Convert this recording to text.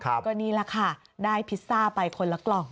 ก็นี่แหละค่ะได้พิซซ่าไปคนละกล่อง